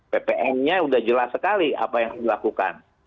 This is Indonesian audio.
ppn nya sudah jelas sekali apa yang dilakukan